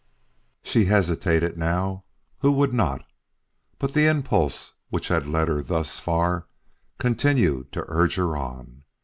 She hesitated now. Who would not? But the impulse which had led her thus far continued to urge her on.